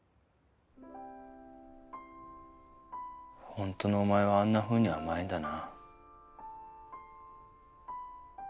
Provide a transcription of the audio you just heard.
本当のお前はあんなふうに甘えんだな。